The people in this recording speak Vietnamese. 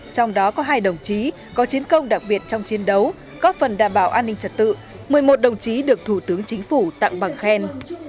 trong đó có hai đồng chí có chiến công đặc biệt trong chiến đấu góp phần đảm bảo an ninh trật tự một mươi một đồng chí được thủ tướng chính phủ tặng bằng khen